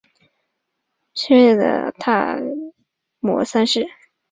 曷利沙跋摩三世。